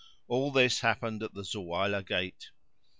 All this happened at the Zuwaylah Gate.